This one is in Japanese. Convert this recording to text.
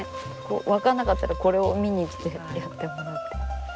分かんなかったらこれを見にきてやってもらって。